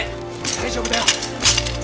大丈夫だよ。